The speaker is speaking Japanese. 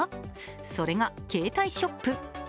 それが、携帯ショップ。